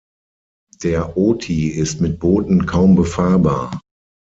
Der Oti ist mit Booten kaum befahrbar.